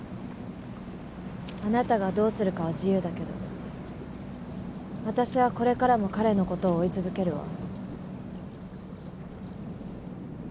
あなたがどうするかは自由だけど私はこれからも彼のことを追い続けるわ。